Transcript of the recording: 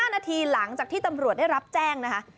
๕นาทีหลังจากที่ตำรวจได้รับแจ้งนะคะ